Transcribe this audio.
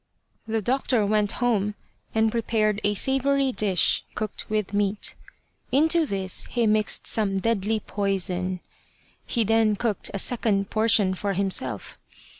The doctor went home and prepared a savoury dish cooked with meat. Into this he mixed some deadly poison. He then cooked a second portion for himself.